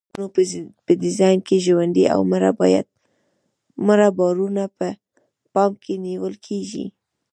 د پلچکونو په ډیزاین کې ژوندي او مړه بارونه په پام کې نیول کیږي